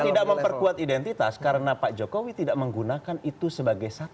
tidak memperkuat identitas karena pak jokowi tidak menggunakan itu sebagai satu